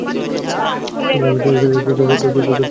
তবে আমি না থাকলে, লজ্জা পাবি না।